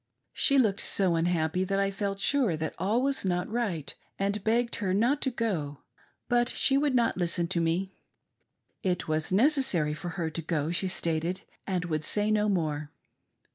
She looked so unhappy that I felt sure that all was not right, and begged her not to go, but she would not listen to me. It was necessary for her to go, she stated, and would say no more.